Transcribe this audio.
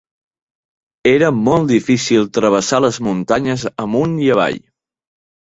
Era molt difícil travessar les muntanyes amunt i avall.